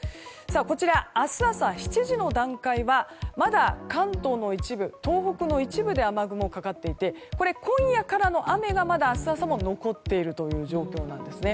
こちら、明日朝７時の段階はまだ関東の一部東北の一部で雨雲がかかっていて今夜からの雨がまだ明日朝も残っている状況なんですね。